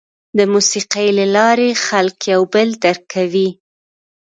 د موسیقۍ له لارې خلک یو بل درک کوي.